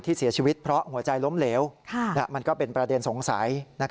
เสียชีวิตเพราะหัวใจล้มเหลวมันก็เป็นประเด็นสงสัย